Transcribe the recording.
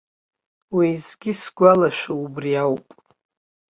Уеизгьы исгәалашәо убри ауп.